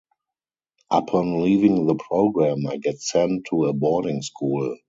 Upon leaving the program I get sent to a boarding school.